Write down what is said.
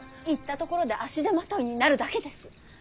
行ったところで足手まといになるだけです。